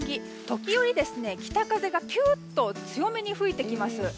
時折、北風がピュッと強めに吹いてきます。